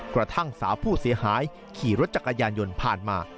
กระทั่งสาวผู้เสียหายขี่รถจักรยานยนต์ผ่านมา